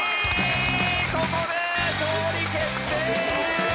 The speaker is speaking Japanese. ここで勝利決定！